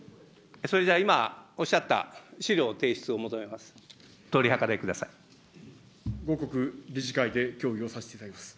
それじゃあ、今おっしゃった資料提出を求めます。